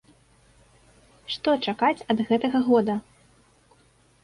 Што чакаць ад гэтага года?